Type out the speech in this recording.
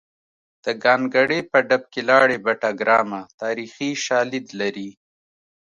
د ګانګړې په ډب کې لاړې بټه ګرامه تاریخي شالید لري